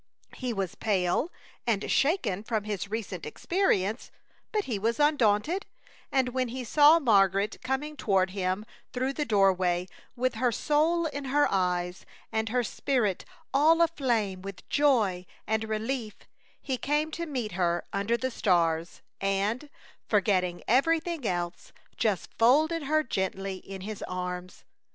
He was pale and shaken from his recent experience; but he was undaunted, and when he saw Margaret coming toward him through the doorway with her soul in her eyes and her spirit all aflame with joy and relief, he came to meet her under the stars, and, forgetting everything else, just folded her gently in his arms!